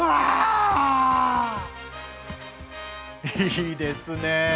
いいですね！